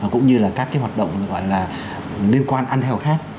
cũng như là các cái hoạt động gọi là liên quan ăn theo khác